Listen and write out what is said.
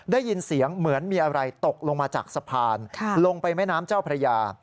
ได้ยินเสียงเหมือนมีอะไรตกลงมาจากสะพานลงไปแม่น้ำเจ้าพระยา